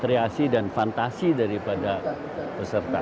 terima kasih dan fantasi daripada peserta